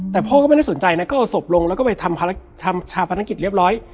แต่พ่อก็ไม่ได้สนใจนะก็เอาศพลงแล้วก็ไปทำชาพนักกิจเรียบร้อย